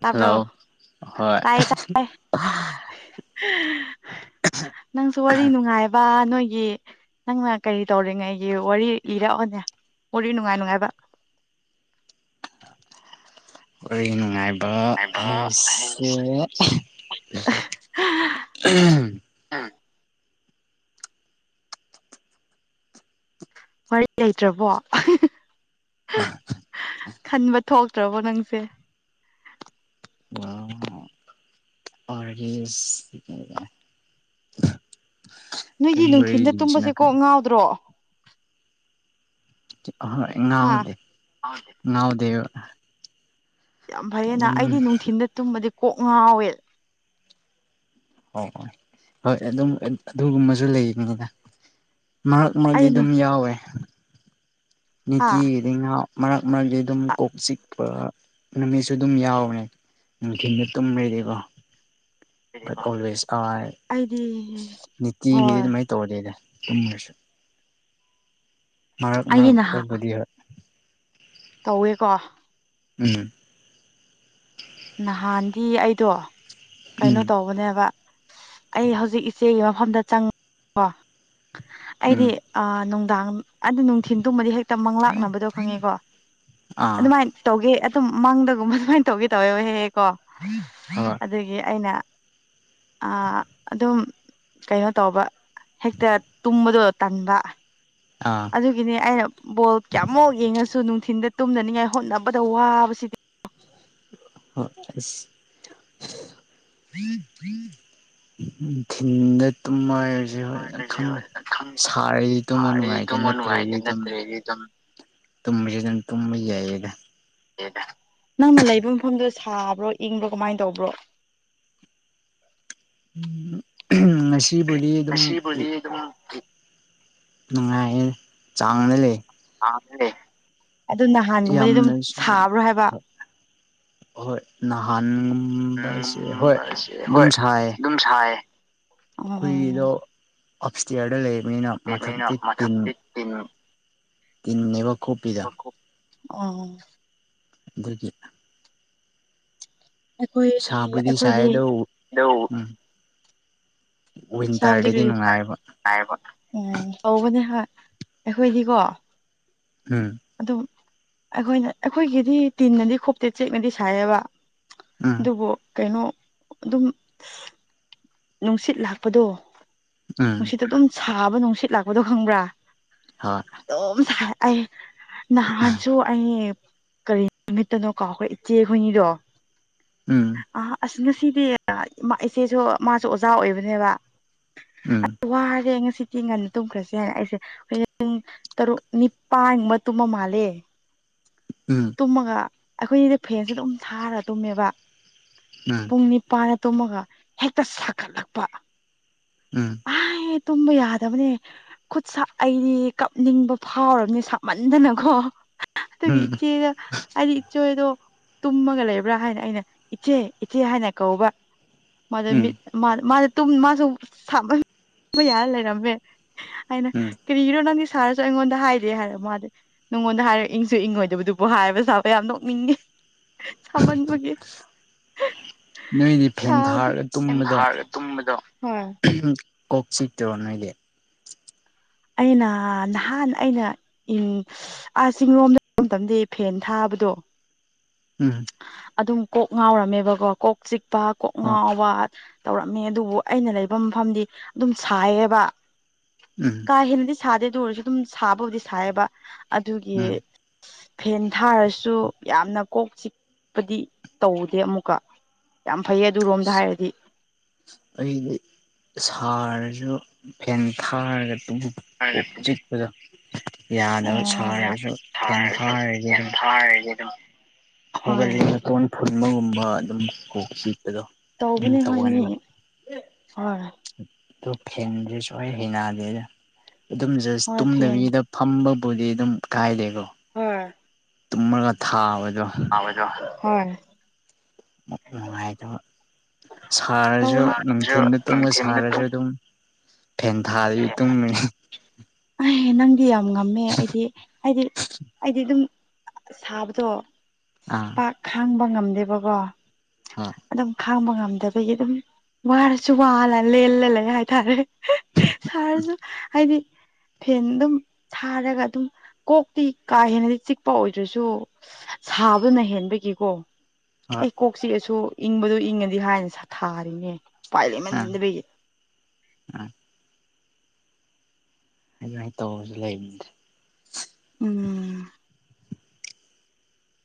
ꯇꯥꯕ꯭ꯔꯣ ꯍꯜꯂꯣ ꯍꯣꯏ꯫ ꯇꯥꯏꯌꯦ ꯇꯥꯏ ꯅꯪꯁꯨ ꯋꯥꯔꯤ ꯅꯨꯡꯉꯥꯏꯕ ꯅꯣꯏꯒꯤ꯫ ꯅꯪꯅ ꯀꯔꯤ ꯇꯧꯔꯤꯉꯩꯒꯤ ꯋꯥꯔꯤ ꯏꯔꯛꯑꯣꯅꯦ ꯋꯥꯔꯤ ꯅꯨꯡꯉꯥꯏ ꯅꯨꯡꯉꯥꯏꯕ꯫ ꯑꯩꯒꯤ ꯅꯨꯡꯉꯥꯏꯕ ꯍꯥꯏꯁꯦ꯫ ꯑꯍꯥꯝ꯫ ꯋꯥꯔꯤ ꯂꯩꯇ꯭ꯔꯕꯣ꯫ [unintelligible] ꯈꯟꯕ ꯊꯣꯛꯇ꯭ꯔꯕꯣ ꯅꯪꯁꯦ꯫ ꯋꯥꯔꯤꯁ꯫ ꯅꯣꯏꯗꯤ ꯅꯨꯡꯊꯤꯟꯗ ꯇꯨꯝꯕꯁꯦ ꯀꯣꯛ ꯈꯪꯗꯦ ꯉꯥꯎꯗ꯭ꯔꯣ꯫ ꯑꯥꯍꯥ ꯑꯩ ꯍꯥ ꯉꯥꯎꯗꯦ ꯉꯥꯎꯗꯦꯕ꯫ ꯌꯥꯝ ꯐꯩꯌꯦꯅ ꯑꯗꯨꯝ ꯑꯩꯗꯤ ꯅꯨꯡꯊꯤꯟꯗ ꯇꯨꯝꯕꯗꯤ ꯀꯣꯛ ꯉꯥꯎꯋꯦ꯫ ꯑꯣ ꯑꯣ ꯍꯣꯏ ꯑꯗꯨꯝ ꯑꯗꯨꯒꯨꯝꯕꯁꯨ ꯂꯩꯕꯅꯤꯗ꯫ ꯃꯔꯛ ꯃꯔꯛꯗꯤ ꯑꯩꯅ ꯑꯗꯨꯝ ꯌꯥꯎꯋꯦ꯫ ꯍꯥ ꯅꯤꯇꯤꯒꯤꯗꯒꯤ ꯉꯥꯎ ꯃꯔꯛ ꯃꯔꯛꯇ ꯑꯗꯨꯝ ꯀꯣꯛ ꯆꯤꯛꯄ ꯅꯨꯃꯤꯠꯁꯨ ꯑꯗꯨꯝ ꯌꯥꯎꯌꯦ꯫ ꯅꯨꯡꯊꯤꯜꯗ ꯇꯝꯕꯩꯗꯤꯀꯣ꯫ ꯑꯩꯗꯤ [unintelligible] ꯅꯤꯇꯤꯒꯤꯗꯤ ꯍꯣꯏ ꯑꯗꯨꯃꯥꯏ ꯇꯧꯗꯦꯗ ꯇꯨꯝꯃꯁꯤ꯫ ꯃꯥꯔꯛ ꯑꯩꯗꯤ ꯃꯥꯔꯛ ꯅꯍꯥꯟ ꯇꯥꯕꯨꯗꯤ ꯍꯣꯏ꯫ ꯇꯧꯋꯦꯀꯣ꯫ ꯎꯝ꯫ ꯅꯍꯥꯟꯗꯤ ꯑꯩꯗꯣ ꯀꯩꯅꯣ ꯎꯝ ꯇꯧꯕꯅꯦꯕ꯫ ꯑꯩ ꯍꯧꯖꯤꯛ ꯏꯆꯦꯒꯤ ꯃꯐꯝꯗ ꯆꯪ ꯀꯣ ꯎꯝ ꯑꯩꯗꯤ꯫ ꯑꯥ ꯅꯨꯡꯗꯥꯡ ꯑꯗꯨ ꯅꯨꯡꯊꯤꯟ ꯇꯨꯝꯕꯗꯤ ꯍꯦꯛꯇ ꯃꯪꯂꯥꯛꯅꯕꯗꯣ ꯑꯥ ꯈꯪꯉꯦꯀꯣ ꯑꯗꯨꯃꯥꯏꯅ ꯇꯧꯒꯦ ꯑꯗꯨꯝ ꯃꯥꯡꯗꯒꯨꯝꯕ ꯑꯗꯨꯃꯥꯏꯅ ꯇꯧꯒꯦ ꯇꯧꯋꯦꯕ ꯍꯦꯛ ꯍꯦꯛ꯫ ꯀꯣ ꯍꯣꯏ ꯑꯗꯨꯒꯤ ꯑꯩꯅ꯫ ꯑꯥ ꯑꯗꯨꯝ ꯀꯩꯅꯣ ꯇꯧꯕ ꯍꯦꯛꯇ ꯇꯨꯝꯕꯗꯣ ꯇꯟꯕ꯫ ꯑꯥ꯫ ꯑꯗꯨꯒꯤꯅꯤ ꯑꯩꯅ ꯕꯣꯜ ꯀꯌꯥꯃꯨꯛ ꯌꯦꯡꯉꯁꯨ ꯅꯨꯡꯊꯤꯟꯗ ꯇꯨꯝꯅꯅꯤꯡꯉꯥꯏ ꯍꯣꯠꯅꯕꯗ ꯋꯥꯕꯁꯤꯗꯤ꯫ ꯑꯁ꯫ ꯅꯨꯡꯊꯤꯟꯗ ꯇꯨꯝꯃꯁ ꯍꯣꯏ ꯈꯪꯗꯦ ꯈꯪ ꯁꯥꯔꯗꯤ ꯇꯨꯝꯕ ꯑꯩ ꯅꯨꯡꯉꯥꯏꯇꯦ ꯇꯨꯝꯕ ꯅꯠꯇ꯭ꯔꯗꯤ ꯅꯨꯡꯉꯥꯏꯇꯦ ꯑꯗꯨꯝ꯫ ꯅꯠꯇ꯭ꯔꯗꯤ ꯑꯗꯨꯝ ꯇꯨꯝꯃꯦ ꯑꯗꯨꯝ ꯇꯨꯝꯕ ꯌꯥꯏꯌꯦꯗ꯫ ꯅꯪꯅ ꯂꯩꯕ ꯃꯐꯝꯗꯨ ꯁꯥꯕ꯭ꯔꯣ ꯏꯪꯕ꯭ꯔꯣ ꯀꯃꯥꯏꯅ ꯇꯧꯕ꯭ꯔꯣ꯫ ꯎꯝ ꯉꯁꯤꯕꯨꯗꯤ ꯑꯗꯨꯝ ꯏ ꯉꯁꯤꯕꯨꯗꯤ ꯑꯗꯨꯝ ꯏ ꯅꯨꯡꯉꯥꯏꯌꯦ ꯆꯥꯡꯗ ꯂꯩꯌꯦ꯫ ꯑꯗꯨ ꯅꯍꯥꯟꯒꯨꯝꯕꯗꯤ ꯑꯗꯨꯝ ꯌꯥꯝꯅꯁꯨ ꯁꯥꯕ꯭ꯔꯣ ꯍꯥꯏꯕ꯫ ꯍꯣꯏ꯫ ꯅꯍꯥꯟꯒꯨꯝꯕꯁꯦ ꯎꯝ ꯍꯣꯏ ꯍꯣꯏ ꯑꯗꯨꯝ ꯁꯥꯏꯌꯦ꯫ ꯑꯗꯨꯝ ꯁꯥꯏꯌꯦ ꯑꯣ ꯑꯩꯈꯣꯏꯒꯤꯗꯣ ꯑꯞ ꯏꯁꯇꯤꯌꯥꯔꯗ ꯂꯩꯕꯅꯤꯅ ꯂꯩꯕꯅꯤꯅ ꯃꯊꯛꯇꯤ ꯇꯤꯟ꯫ ꯃꯊꯛꯇꯤ ꯇꯤꯟ꯫ ꯇꯤꯟꯅꯦꯕ꯫ ꯀꯣꯞꯄꯤꯗꯣ [unintelligible] ꯑꯝ [unintelligible] ꯑꯩꯈꯣꯏꯗꯤ ꯁꯥꯕꯨꯗꯤ ꯁꯥꯏ ꯑꯩꯈꯣꯏꯗꯤ꯫ ꯑꯗꯣ ꯎꯝ ꯋꯤꯟꯇꯔꯗꯗꯤ ꯅꯨꯡꯉꯥꯏꯕ [unintelligible] ꯎꯝ ꯇꯧꯕꯅꯦ ꯑꯩꯈꯣꯏꯗꯤꯀꯣ꯫ ꯎꯝ ꯑꯗꯨꯝ ꯑꯩꯈꯣꯏꯅ ꯑꯩꯈꯣꯏꯒꯤꯗꯤ ꯇꯤꯟꯅꯗꯤ ꯈꯣꯞꯇꯦ ꯆꯦꯛꯅꯗꯤ ꯁꯥꯏꯑꯕ ꯎꯝ ꯑꯗꯨꯕꯨ ꯀꯩꯅꯣ ꯑꯗꯨꯝ ꯅꯨꯡꯁꯤꯠ ꯂꯥꯛꯄꯗꯣ ꯎꯝ ꯅꯨꯡꯁꯤꯠꯇꯣ ꯑꯗꯨꯝ ꯁꯥꯕ ꯅꯨꯡꯁꯤꯠ ꯂꯥꯛꯄꯗꯣ ꯈꯪꯕ꯭ꯔꯥ ꯍꯣꯏ ꯑꯗꯨꯝ ꯍꯥꯏ ꯅꯥꯍꯟꯁꯨ ꯑꯩ ꯀꯔꯤ ꯅꯨꯃꯤꯠꯇꯅꯣ ꯀꯧꯏ ꯑꯩꯈꯣꯏ ꯏꯆꯦ ꯍꯣꯏꯅꯤꯗꯣ ꯎꯝ ꯑ ꯑꯁ ꯉꯁꯤꯗꯤ ꯏꯆꯦꯁꯨ ꯃꯥꯁꯨ ꯑꯣꯖꯥ ꯑꯣꯏꯕꯅꯦꯕ ꯎꯝ ꯑ ꯋꯥꯔꯦ ꯉꯁꯤ ꯆꯦꯡ ꯉꯟꯅ ꯇꯨꯝꯈ꯭ꯔꯁꯦ ꯍꯥꯏꯅ ꯑꯩꯁꯦ ꯑꯩꯣꯏ ꯇꯔꯨꯛ ꯅꯤꯄꯥꯟꯃꯨꯛꯕ ꯇꯨꯝꯃ ꯃꯥꯜꯂꯦ ꯎꯝ ꯇꯨꯝꯃꯒ ꯑꯩꯈꯣꯏꯅꯤꯗꯤ ꯐꯦꯟꯁꯦ ꯑꯗꯨꯝ ꯊꯔ ꯇꯨꯝꯃꯦꯕ ꯑꯝ ꯄꯨꯡ ꯅꯤꯄꯥꯟꯅ ꯇꯨꯝꯃꯒ ꯍꯦꯛꯇ ꯁꯥꯒꯠꯂꯛꯄ ꯎꯝ ꯑ ꯇꯨꯝꯕ ꯌꯥꯗꯕꯅꯦ ꯈꯨꯠꯁ ꯑꯩꯗꯤ ꯀꯞꯅꯤꯡꯕ ꯐꯥꯎꯔꯕꯅꯦ ꯁꯥꯃꯟꯗꯅꯀꯣ ꯗꯨꯒꯤ ꯎꯝ ꯏꯆꯦꯒ ꯑꯩꯗꯤ ꯏꯆꯣꯏꯗꯣ ꯇꯨꯝꯃꯒ ꯂꯩꯕ꯭ꯔꯥ ꯍꯥꯏꯅ ꯑꯩꯅ ꯏꯆꯦ ꯏꯆꯦ ꯍꯥꯏꯅ ꯀꯧꯕ ꯃꯥꯗ ꯎꯝ ꯃꯤꯠ ꯃꯥ ꯃꯥꯗ ꯃꯥꯁꯨ ꯁꯥꯃꯟꯕ ꯌꯥꯔ ꯂꯩꯔꯝꯃꯦ ꯍꯥꯏꯅ ꯎꯝ ꯀꯔꯤꯒꯤꯅꯣ ꯅꯪꯗꯤ ꯁꯥꯔꯁꯨ ꯑꯩꯉꯣꯟꯗ ꯍꯥꯏꯗꯦ ꯍꯥꯏꯔ ꯃꯥꯗꯤ ꯅꯉꯣꯟꯗ ꯍꯥꯏꯔꯒ ꯏꯪꯁꯨ ꯏꯪꯉꯣꯏꯗꯕꯗꯨꯕꯨ ꯍꯥꯏꯕ ꯁꯥꯕ ꯌꯥꯝ ꯅꯣꯛꯅꯤꯡꯉꯦ ꯁꯃꯥꯟ ꯃꯒꯦ ꯅꯣꯏꯗꯤ ꯐꯦꯟ ꯁꯥꯕꯗꯣ ꯊꯥꯔꯒ ꯇꯨꯝꯕꯗꯣ ꯊꯥꯔꯒ ꯇꯨꯝꯕꯗꯣ ꯍꯣꯏ ꯀꯣꯛꯆꯤꯠ ꯋꯥꯅꯂꯦ ꯑꯩꯅ ꯅꯍꯥꯟ ꯑꯩꯅ ꯎ ꯑꯥ ꯆꯤꯡꯂꯣꯝꯗ ꯃꯇꯝꯗꯤ ꯐꯦꯟ ꯊꯥꯕꯗꯣ ꯎꯝ ꯑꯗꯨꯝ ꯀꯣꯛ ꯉꯥꯎꯔꯝꯃꯦꯕꯀꯣ ꯀꯣꯛ ꯆꯤꯛꯄ ꯀꯣꯛ ꯍꯣꯏ ꯉꯥꯎꯕ ꯇꯧꯔꯝꯃꯦ ꯑꯗꯨꯕꯨ ꯑꯩꯅ ꯂꯩꯕ ꯃꯐꯝꯗꯤ ꯑꯗꯨꯝ ꯁꯥꯏꯌꯦꯕ ꯎꯝ ꯀꯥ ꯍꯦꯟꯅꯗꯤ ꯁꯥꯗꯦ ꯑꯗꯨ ꯑꯣꯏꯔꯁꯨ ꯑꯗꯨꯝ ꯁꯥꯕꯕꯨꯗꯤ ꯁꯥꯏꯌꯦꯕ ꯑꯗꯨꯒꯤ ꯎꯝ ꯐꯦꯟ ꯊꯥꯔꯁꯨ ꯌꯥꯝꯅ ꯀꯣꯛ ꯆꯤꯛꯄꯗꯤ ꯇꯧꯗꯦ ꯑꯃꯨꯛꯀ ꯌꯥꯝ ꯐꯩꯌꯦ ꯑꯗꯨꯔꯣꯝꯗ ꯍꯥꯏꯔꯗꯤ ꯑꯩꯗꯤ ꯁꯥꯔꯁꯨ ꯐꯦꯟ ꯊꯥꯔꯒ ꯇꯨꯡ ꯀꯣꯛ ꯆꯤꯛꯄꯗ ꯌꯥꯗꯕ ꯌꯥꯝ ꯁꯥꯔꯁꯨ ꯐꯦꯟ ꯊꯥꯔꯁꯨ ꯊꯥꯔꯒ ꯌꯥꯝ ꯑꯗꯨꯝ ꯊꯥꯔꯗꯤ ꯑꯗꯨꯝ ꯍꯣꯏ ꯍꯧꯒꯠꯂꯤꯇꯣꯟ ꯐꯨꯟꯕꯒꯨꯝꯕ ꯑꯗꯨꯝ ꯀꯣꯛ ꯆꯤꯛꯄꯗꯣ ꯑꯗꯨꯝ ꯇꯧꯕꯅꯦ ꯍꯣꯏ ꯃꯤ ꯍꯣꯏ ꯑ ꯐꯦꯟꯁꯦ ꯁꯨꯋꯥꯏ ꯍꯩꯅꯗꯦꯗ ꯑꯗꯨꯝ ꯖꯁ ꯍꯣꯏ ꯐꯦꯟ ꯇꯨꯝꯗꯕꯤꯗ ꯐꯝꯕꯕꯨꯗꯤ ꯑꯗꯨꯝ ꯀꯥꯏꯗꯦꯀꯣ ꯍꯨꯝ ꯇꯨꯝꯃꯒ ꯊꯥꯕꯗꯣ ꯖ ꯎꯝ ꯅꯨꯡꯉꯥꯏ ꯑꯗꯨꯅ ꯁꯥꯔꯁꯨ ꯇꯧꯋꯦ ꯁꯥꯔꯁꯨ ꯅꯨꯡꯊꯤꯟꯗ ꯇꯨꯝꯕ ꯅꯨꯡꯊꯤꯟꯗ ꯇꯨꯝ ꯁꯥꯔꯁꯨ ꯑꯗꯨꯝ ꯐꯦꯟ ꯊꯥꯔꯤ ꯇꯨꯝꯃꯤꯅꯤ ꯑꯩꯍꯦ ꯅꯪꯗꯤ ꯌꯥꯝ ꯉꯝꯃꯦ ꯑꯩꯗꯤ ꯍꯥꯏꯗꯤ ꯑꯩꯗꯤ ꯑꯗꯨꯝ ꯁꯥꯕꯗꯣ ꯑꯥ ꯄꯥꯛ ꯈꯥꯡꯕ ꯉꯝꯗꯦꯕꯀꯣ ꯍꯥ ꯑꯗꯨꯝ ꯈꯥꯡꯕ ꯉꯝꯗꯕꯒꯤ ꯑꯗꯨꯝ ꯋꯥꯔꯁꯨ ꯋꯥꯂ ꯂꯦꯜꯂ ꯂꯩ ꯍꯥꯏꯇꯥꯔꯦ ꯁꯥꯔꯁꯨ ꯍꯥꯏꯗꯤ ꯐꯦꯟ ꯑꯗꯨꯝ ꯁꯥꯔꯒ ꯑꯗꯨꯝ ꯀꯣꯛꯇꯤ ꯀꯥ ꯍꯦꯟꯅꯗꯤ ꯆꯤꯛꯄ ꯑꯣꯏꯗ꯭ꯔꯁꯨ ꯁꯥꯕꯅ ꯍꯦꯟꯕꯒꯤꯀꯣ ꯑꯦ ꯍꯣꯏ ꯀꯣꯛ ꯆꯤꯛꯑꯁꯨ ꯏꯪꯕꯗꯣ ꯏꯪꯉꯗꯤ ꯍꯥꯏꯅ ꯊꯥꯔꯤꯅꯦ ꯄꯥꯏ ꯑꯥ ꯂꯩꯦꯃꯟꯗꯕꯩꯒꯤ ꯑꯥ ꯍꯥꯏꯥꯏ ꯇꯧꯕꯁꯨ ꯂꯩꯕꯅꯤꯗ ꯎꯝ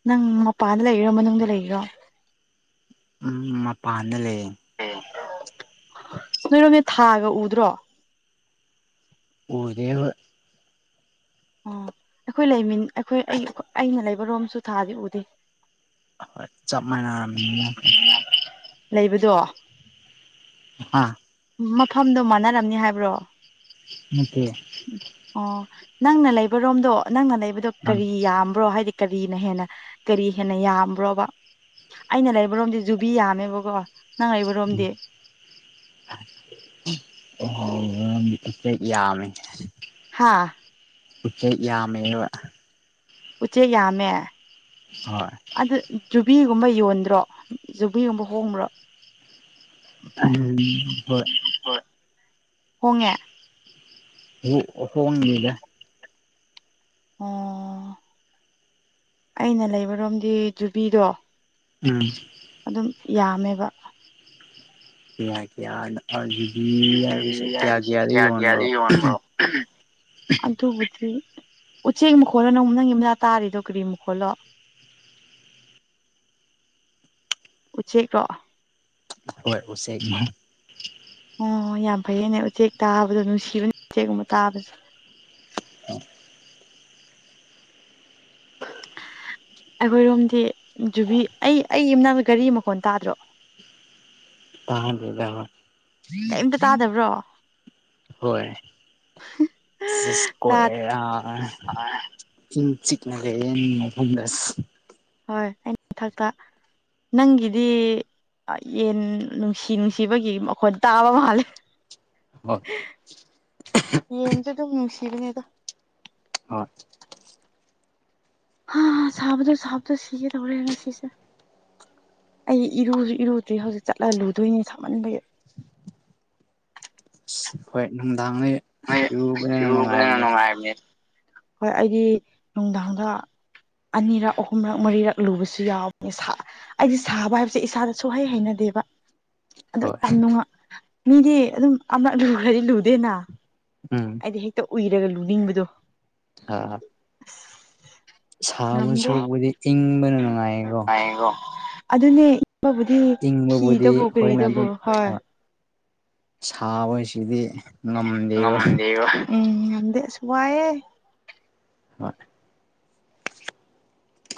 ꯅꯪ ꯃꯄꯥꯟꯗ ꯂꯩꯔꯣ ꯃꯅꯨꯡꯗ ꯂꯩꯔꯣ ꯎ ꯃꯄꯥꯟꯗ ꯂꯩꯌꯦ ꯅꯣꯏꯔꯣꯃꯤꯠ ꯊꯥꯒ ꯎꯗ꯭ꯔꯣ ꯎꯗꯕ ꯑꯣ ꯑꯩꯈꯣꯏ ꯂꯩꯃꯤ ꯑꯩꯈꯣꯏ ꯑꯩꯅ ꯂꯩꯕꯔꯣꯝꯁꯨ ꯊꯥꯗꯤ ꯎꯗꯦ ꯍꯣꯏ ꯆꯞ ꯃꯥꯟꯅꯔꯝꯃꯤ ꯂꯩꯕꯗꯣ ꯍꯥ ꯃꯐꯝꯗꯣ ꯃꯥꯟꯅꯔꯝꯅꯤ ꯍꯥꯏꯕ꯭ꯔꯣ ꯎꯀ ꯎ ꯑꯣ ꯅꯪꯅ ꯂꯩꯕꯔꯣꯝꯗꯣ ꯅꯪꯅ ꯂꯩꯕꯗꯣ ꯑꯪ ꯀꯔꯤ ꯌꯥꯝꯕ꯭ꯔꯣ ꯍꯥꯏꯗꯤ ꯀꯔꯤꯅ ꯍꯦꯟꯅ ꯀꯔꯤ ꯍꯦꯟꯅ ꯌꯥꯝꯕ꯭ꯔꯣꯕ ꯑꯩꯅ ꯂꯩꯕꯔꯣꯝꯗꯤꯦ ꯖꯨꯕꯤ ꯌꯥꯝꯃꯦꯕꯀꯣ ꯅꯪ ꯂꯩꯕꯔꯣꯝꯗꯤ ꯎꯝ ꯑꯣ ꯆ ꯌꯥꯃꯤ ꯍꯥꯥ ꯌꯥꯝꯃꯦꯕ ꯎꯆꯦꯛ ꯌꯥꯝꯃꯦ ꯍꯣꯏ ꯑꯗꯨ ꯖꯨꯕꯤꯒꯨꯝꯕ ꯌꯣꯟꯗ꯭ꯔꯣ ꯖꯨꯕꯤꯒꯨꯝꯕ ꯍꯣꯡꯕ꯭ꯔꯣ ꯎ ꯍꯣꯏ ꯍꯨꯡꯉ ꯍ ꯍꯂ ꯑꯣ ꯑꯩꯅ ꯂꯩꯕꯔꯣꯝꯗꯤ ꯖꯨꯕꯤꯗꯣ ꯎꯝ ꯑꯗꯨꯝ ꯌꯥꯝꯃꯦꯕ ꯀꯌꯥ ꯀꯌꯥꯅꯗꯤ ꯍꯥꯏꯕꯁꯦ ꯀꯦꯖꯤ ꯀꯌꯥ ꯍꯥꯏꯕꯁꯦ ꯀꯌꯥꯗ ꯀꯌꯥ ꯌꯣꯟꯕ꯭ꯔꯣ ꯌꯣꯟꯕ꯭ꯔꯣ ꯑꯗꯨꯕꯨꯗꯤ ꯎꯆꯦꯛ ꯃꯈꯣꯜꯂꯣ ꯅꯪꯛ ꯅꯪꯒꯤ ꯃꯆꯥ ꯇꯥꯔꯤꯗꯣ ꯒꯔꯤ ꯃꯈꯣꯜꯂꯣ ꯎꯆꯦꯛ ꯀꯣ ꯍꯣꯏꯁꯦꯃ ꯑꯣ ꯌꯥꯝ ꯐꯩꯌꯦꯅꯦ ꯎꯆꯦꯛ ꯇꯥꯕꯗꯣ ꯅꯨꯡꯁꯤꯕꯅꯦ ꯎꯆꯦꯛꯒꯨꯝꯕ ꯇꯥꯕꯁꯨ ꯑ ꯑꯩꯈꯣꯏꯔꯣꯝꯗꯤ ꯖꯨꯕꯤ ꯑꯩ ꯑꯩ ꯏꯅꯥꯗ ꯒꯥꯔꯤ ꯃꯈꯣꯟ ꯇꯥꯗ꯭ꯔꯣ ꯇꯕꯤꯗꯣ ꯀꯩꯝꯇ ꯇꯥꯗꯕ꯭ꯔꯣ ꯍꯣꯏ ꯁꯤꯁꯀꯣ ꯇꯥꯗ ꯑꯦ ꯑ ꯍ ꯆꯤꯛꯅꯒꯦ ꯌꯦ ꯐ ꯍꯣꯏ ꯑꯩꯅ ꯃꯊꯛꯇ ꯅꯪꯒꯤꯗꯤ ꯌꯦꯟ ꯅꯨꯡꯁꯤ ꯅꯨꯡꯁꯤꯕꯒꯤ ꯃꯈꯣꯏ ꯇꯥꯕ ꯃꯥꯂꯦ ꯍꯣꯏ ꯌꯦꯗ ꯑꯗꯨ ꯅꯨꯡꯁꯤꯔꯤꯅꯦꯗꯣ ꯍꯣꯏ ꯍꯥ ꯁꯥꯕꯗꯣ ꯁꯥꯕꯗꯣ ꯁꯤꯒꯦ ꯇꯧꯔꯦ ꯉ ꯁꯤꯁꯦ ꯑꯩ ꯏꯔꯨꯁꯨ ꯏꯔꯨꯗ꯭ꯔꯤ ꯍꯧꯖꯤꯛ ꯆꯠꯂꯂꯨꯗꯣꯏꯅꯤ ꯁꯝꯃꯟꯕꯒꯤ ꯍꯣꯏ ꯅꯨꯡꯗꯥꯡꯗꯤ ꯍꯣꯏ ꯏꯔꯨꯕꯅ ꯅꯨꯡꯉꯥꯏꯕꯅꯦꯗ [unintelligible] ꯍꯣꯏ ꯑꯩꯒꯤ ꯅꯨꯡꯗꯥꯡꯗ ꯑꯅꯤꯔꯛ ꯑꯍꯨꯝꯔꯛ ꯃꯔꯤꯔꯛ ꯂꯨꯕꯁꯨ ꯌꯥꯎꯕꯅꯦ ꯁꯥ ꯑꯩꯗꯤ ꯁꯥꯕ ꯍꯥꯏꯕꯁꯦ ꯏꯁꯥꯗꯁꯨꯨꯍꯩ ꯍꯩꯅꯗꯦꯕ ꯑꯗꯨ ꯍꯣꯏ ꯌꯥꯝ ꯅꯨꯡꯉꯥꯏ ꯃꯤꯗꯤ ꯑꯗꯨꯝ ꯑꯃꯛ ꯂꯨꯈꯗꯤ ꯂꯨꯗꯦꯅ ꯎꯝ ꯑꯩꯗꯤ ꯍꯦꯛꯇ ꯎꯏꯔꯒ ꯂꯨꯅꯤꯡꯕꯗꯣ [unintelligible] ꯑꯁ ꯁꯥꯕ ꯁꯔꯨꯛꯄꯨꯗꯤ ꯏꯪꯕꯅ ꯅꯨꯡꯉꯥꯏꯌꯦꯀꯣ ꯑꯗꯨꯅꯦ ꯃꯥꯕꯨꯗꯤ ꯏꯪꯕꯕꯨꯗꯤ ꯐꯤꯗꯕꯨ ꯑꯩꯈꯣꯏꯅ ꯀꯔꯤꯗꯕꯨ ꯑꯗꯨꯝ ꯍꯣꯏ ꯁꯥꯕꯁꯤꯗꯤ ꯉꯝꯗꯦꯕ ꯉꯝꯗꯦ ꯑꯁ ꯋꯥꯏꯑꯦ ꯍꯣꯏ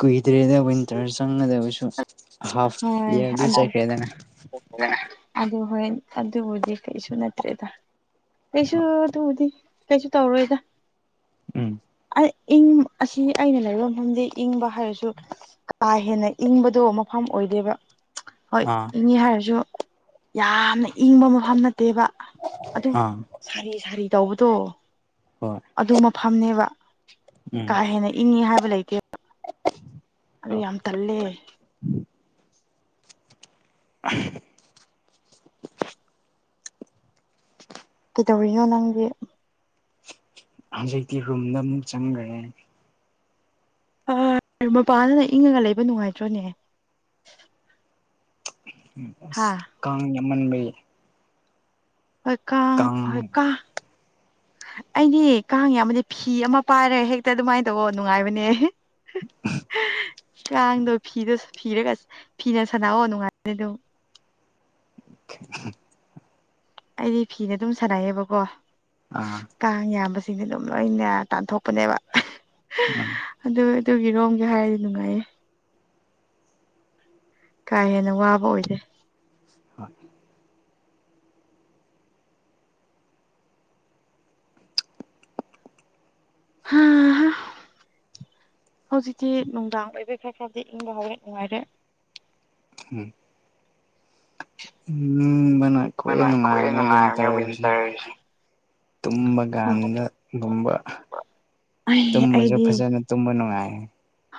ꯀꯨꯏꯗ꯭ꯔꯦꯗ ꯋꯤꯟꯇꯔ ꯆꯪꯒꯗꯕꯁꯨ ꯍꯥꯐ ꯍꯣꯏ ꯏꯌꯥꯔꯗꯤ ꯑꯗꯨ ꯆꯠꯈ꯭ꯔꯦꯗꯅ ꯑꯗꯨ ꯍꯣꯏ ꯑꯗꯨꯕꯨꯗꯤ ꯀꯩꯁꯨ ꯅꯠꯇ꯭ꯔꯦꯗ ꯀꯩꯁꯨ ꯍꯣꯏ ꯑꯗꯨꯕꯨꯗꯤ ꯀꯩꯁꯨ ꯇꯧꯔꯣꯏꯗ ꯎꯝ ꯏꯪ ꯑꯁꯤ ꯑꯩꯅ ꯂꯩꯕ ꯃꯐꯝꯗꯤ ꯏꯪꯕ ꯍꯥꯏꯔꯁꯨ ꯀꯥ ꯍꯦꯟꯅ ꯏꯪꯕꯗꯣ ꯃꯐꯝ ꯑꯣꯏꯗꯦꯕ ꯍꯣꯏ ꯑꯥ ꯏꯪꯅꯤ ꯍꯥꯏꯔꯁꯨ ꯌꯥꯝꯅ ꯏꯪꯕ ꯃꯐꯝ ꯅꯠꯇꯦꯕ ꯑꯗꯨꯝ ꯑꯥ ꯁꯥꯔꯤ ꯁꯥꯔꯤ ꯇꯧꯕꯗꯣ ꯍꯣꯏ ꯑꯗꯨ ꯃꯐꯝꯅꯦꯕ ꯎꯝ ꯀꯥ ꯍꯦꯟꯅ ꯏꯪꯉꯤ ꯍꯥꯏꯕ ꯂꯩꯇꯦ ꯑꯩ ꯌꯥꯝ ꯇꯜꯂꯦ [unintelligible] ꯀꯩꯗꯧꯔꯤꯅꯣ ꯅꯪꯗꯤ ꯍꯧꯖꯤꯛꯇꯤ ꯔꯨꯝꯗ ꯑꯃꯨꯛ ꯆꯪꯒꯔꯦ ꯃꯄꯥꯟꯗꯅ ꯏꯪꯉꯒ ꯂꯩꯕ ꯅꯨꯡꯉꯥꯏꯇ꯭ꯔꯣꯅꯦ ꯑꯁ ꯍꯥ ꯀꯥꯡ ꯌꯥꯝꯃꯟꯕꯩ ꯍꯣꯏ ꯀꯥꯡ ꯍꯣꯏ ꯀꯥ ꯑꯩꯗꯤ ꯀꯥꯡ ꯌꯥꯝꯕꯗꯤ ꯐꯤ ꯑꯃ ꯄꯥꯏꯔꯦ ꯍꯦꯛꯇ ꯑꯗꯨꯃꯥꯏꯅ ꯇꯧꯧꯕ ꯅꯨꯡꯉꯥꯏꯕꯅꯦ ꯀꯥꯡꯗꯣ ꯐꯤꯗꯁꯨ ꯐꯤꯔꯒ ꯐꯤꯅ ꯁꯥꯟꯂꯛꯑꯣ ꯅꯨꯡꯉꯥꯏ ꯑꯗꯨꯝ [unintelligible] ꯑꯩꯗꯤ ꯐꯤꯅ ꯑꯗꯨꯝ ꯁꯥꯟꯅꯩꯌꯦꯕꯀꯣ ꯑꯥ ꯀꯥꯡ ꯌꯥꯝꯕꯁꯤꯡꯗꯤ ꯑꯗꯨꯝ ꯂꯣꯏꯅ ꯇꯥꯟꯊꯣꯛꯄꯅꯦꯕ [unintelligible] ꯑꯗꯨ ꯑꯗꯨꯒꯤꯔꯣꯝꯒꯤ ꯍꯥꯏꯔꯗꯤ ꯅꯨꯡꯉꯥꯏꯌꯦ ꯀꯥ ꯍꯦꯟꯅ ꯋꯥꯕ ꯑꯣꯏꯗꯦ [unintelligible] ꯍꯥꯥ ꯍꯥ ꯍꯧꯖꯤꯛꯇꯤ ꯅꯨꯡꯗꯥꯡ ꯑꯣꯏꯕꯩ ꯈꯔ ꯈꯔꯗꯤ ꯏꯪꯕ ꯍꯧꯔꯦ ꯅꯨꯡꯉꯥꯏꯔꯦ ꯎꯝ ꯎꯝ ꯃ ꯀꯣꯏ ꯈ꯭ꯋꯥꯏ ꯅꯅꯨꯡꯉꯥꯏ ꯅꯨꯡꯉꯥꯏꯕꯅꯦ ꯟꯇꯔ ꯋꯤꯟꯇꯔꯁꯦ ꯇꯨꯝꯕ ꯀꯥꯟꯗꯒꯨꯝꯕ ꯑꯩ ꯇꯨꯝꯕꯁꯨ ꯑꯩꯗꯤ ꯐꯖꯅ ꯇꯨꯝꯕ ꯅꯨꯡꯉꯥꯏ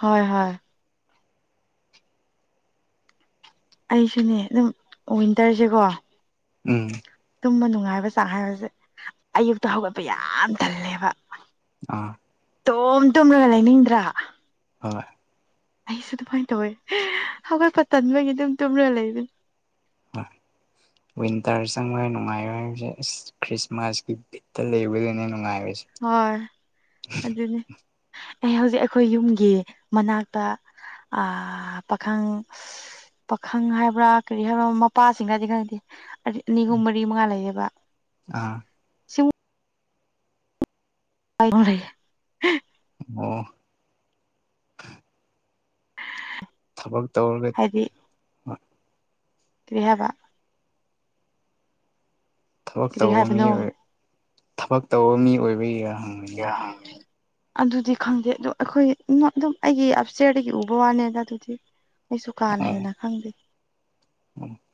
ꯍꯣꯏ ꯍꯣꯏ ꯑꯩꯁꯨꯅꯦ ꯑꯗꯨꯝ ꯋꯤꯟꯇꯔꯁꯦꯀꯣ ꯎꯝ ꯇꯨꯝꯕ ꯅꯨꯡꯉꯥꯏꯕ ꯆꯥꯡ ꯍꯥꯏꯕꯁꯦ ꯑꯌꯨꯛꯇ ꯍꯧꯒꯠꯄ ꯌꯥꯝ ꯊꯜꯂꯦꯕ ꯑꯥ ꯇꯣꯝ ꯇꯨꯝꯂꯒ ꯂꯩꯅꯤꯡꯗ꯭ꯔꯥ ꯍꯣꯏ ꯑꯩꯁꯨ ꯑꯗꯨꯃꯥꯏꯅ ꯇꯧꯋꯦ ꯑꯩꯈꯣꯏ ꯄꯇꯟꯕꯒꯤ ꯑꯗꯨꯝ ꯇꯨꯝꯔꯒ ꯂꯩꯕ ꯑ ꯋꯤꯟꯇꯔ ꯆꯪꯕ ꯅꯨꯡꯉꯥꯏꯔ ꯍꯥꯏꯕꯁꯦ ꯑꯁ ꯈ꯭ꯔꯤꯁꯃꯥꯁꯀꯤ ꯕꯤꯠꯇ ꯂꯩꯕꯗꯨꯅꯦ ꯅꯨꯡꯉꯥꯏꯕꯁꯦ ꯍꯣꯏ ꯑꯗꯨꯅꯤ ꯑꯩ ꯍꯧꯖꯤꯛ ꯑꯩꯈꯣꯏ ꯌꯨꯝꯒꯤ ꯃꯅꯥꯛꯇ ꯄꯥꯈꯪ ꯄꯥꯈꯪ ꯍꯥꯏꯕ꯭ꯔꯥ ꯀꯔꯤ ꯍꯥꯏꯕ꯭ꯔꯥ ꯃꯄꯥꯁꯤꯡꯅꯗꯤ ꯈꯪꯗꯦ ꯑꯅꯤ ꯑꯍꯨꯝ ꯃꯔꯤ ꯃꯉꯥ ꯂꯩꯌꯦꯕ ꯑꯥ ꯁꯤ ꯀ ꯑꯣ ꯊꯕꯛ ꯇꯧꯔꯒ ꯀ꯭ꯔꯤ ꯍꯥꯏꯕ ꯊꯕꯛ ꯀꯔꯤ ꯇꯧꯕ ꯃꯤ ꯍꯥꯏꯕꯅꯣ ꯊꯕꯛ ꯇꯧꯕ ꯃꯤ ꯑꯣꯏꯕꯒꯤꯔ ꯍꯪꯉ ꯀ ꯑꯗꯨꯗꯤ ꯈꯪꯗꯦ ꯑꯗꯨ ꯑꯩꯈꯣꯏ ꯑꯗꯨꯝ ꯑꯩꯒꯤ ꯑꯞꯆꯦꯔꯗꯒꯤ ꯎꯕ ꯋꯥꯅꯤꯅ ꯑꯗꯨꯗꯤ ꯑꯩꯁꯨ ꯀꯥꯅ ꯑꯣ ꯍꯦꯟꯅ ꯈꯪꯗꯦ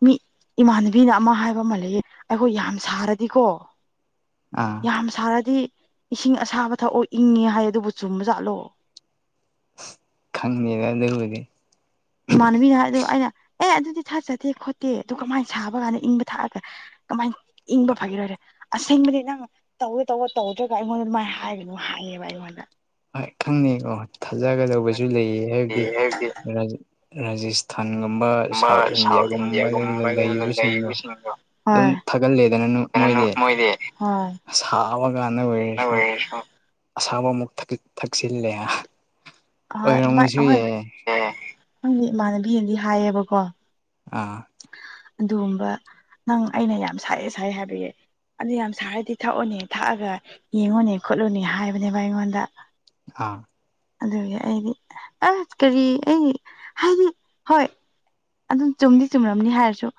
ꯃꯤ ꯏꯃꯥꯟꯅꯕꯤꯅ ꯑꯃ ꯍꯥꯏꯕ ꯃꯥꯜꯂꯌꯦ ꯑꯩꯈꯣꯏ ꯌꯥꯝ ꯁꯥꯔꯗꯤꯀꯣ ꯑꯥ ꯌꯥꯝ ꯁꯥꯔꯗꯤ ꯏꯁꯤꯡ ꯑꯁꯥꯕ ꯊꯛꯑꯣ ꯏꯪꯉꯦ ꯍꯥꯏ ꯑꯗꯨꯕꯨ ꯆꯨꯝꯕꯖꯥꯠꯂꯣ ꯈꯪꯉꯦꯔ ꯑꯗꯨꯕꯨꯗꯤ ꯏꯃꯥꯟꯅꯕꯤꯅ ꯍꯥꯏꯗ ꯑꯩꯅ ꯑꯦ ꯑꯗꯨꯗꯤ ꯊꯥꯆꯗꯦ ꯈꯣꯠꯇꯦ ꯑꯗꯨ ꯀꯃꯥꯏꯅ ꯁꯥꯕ ꯀꯥꯟꯗ ꯏꯪꯕ ꯊꯥꯛꯑꯒꯦ ꯀꯃꯥꯏ ꯏꯪꯕ ꯐꯈꯤꯔꯣꯏꯔꯦ ꯑꯁꯦꯡꯕꯗꯤ ꯅꯪ ꯇꯧꯔꯦ ꯇꯧꯕꯔ ꯇꯧꯗ꯭ꯔꯒ ꯑꯩꯉꯣꯟꯗ ꯑꯗꯨꯃꯥꯏ ꯍꯥꯏꯒꯅꯨ ꯍꯥꯏꯉꯦꯕ ꯑꯩꯉꯣꯟꯗ ꯍꯣꯏ ꯈꯪꯅꯤꯩꯀꯣ ꯊꯥꯖꯒꯗꯧꯕꯁꯨ ꯂꯩꯌꯦ ꯍꯥꯏꯕꯗꯤ ꯔꯥꯖꯁꯊꯥꯟꯒꯨꯝꯕ ꯁꯥꯎꯠ ꯏꯟꯗꯤꯌꯥꯒꯨꯝꯕ ꯂꯩꯕꯁꯤꯡꯗꯣ ꯑꯗꯨꯝ ꯊꯥꯒꯠꯂꯦꯗꯅ ꯀꯩꯅꯣ ꯃꯣꯏꯗꯤ ꯍꯣꯏ ꯁꯥꯕꯀꯥꯟꯗ ꯑꯣꯏꯔꯁꯨ ꯑꯁꯥꯕ ꯑꯃꯨꯛ ꯊꯛꯆꯜꯂꯦ ꯑꯣꯏꯔꯝꯃꯁꯨ ꯌꯥ ꯅꯪꯗꯤ ꯏꯃꯥꯟꯅꯕꯤꯅꯗꯤ ꯍꯥꯏꯌꯦꯕꯀꯣ ꯑꯥ ꯑꯗꯨꯒꯨꯝꯕ ꯅꯪ ꯑꯩꯅ ꯌꯥꯝ ꯁꯥꯏꯌꯦ ꯁꯥꯏ ꯍꯥꯏꯕ ꯌꯥꯏ ꯑꯗꯨ ꯌꯥꯝ ꯁꯥꯔꯗꯤ ꯊꯛꯎꯅꯦ ꯊꯛꯑꯒ ꯌꯦꯡꯉꯨꯅꯦ ꯈꯣꯠꯂꯨꯅꯦ ꯍꯥꯏꯕꯅꯦꯕ ꯑꯩꯉꯣꯟꯗ ꯑꯥ ꯑꯗꯨꯒꯤ ꯑꯩꯗꯤ ꯑꯁ ꯀꯔꯤ ꯑꯩ ꯍꯥꯏꯗꯤ ꯍꯣꯏ ꯑꯗꯨꯝ ꯆꯨꯝꯗꯤ ꯆꯨꯝꯔꯝꯅꯤ ꯍꯥꯏꯔꯁꯨ